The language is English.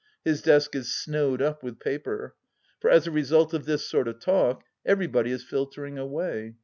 His desk is snowed up with paper. For, as a result of this sort of talk, everybody is filtering away.